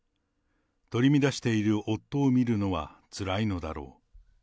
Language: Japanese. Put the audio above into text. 取り乱している夫を見るのはつらいのだろう。